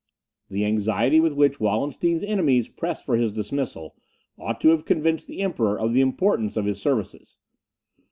The anxiety with which Wallenstein's enemies pressed for his dismissal, ought to have convinced the Emperor of the importance of his services.